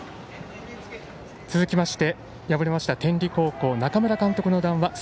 続きまして敗れました、天理高校中村監督の談話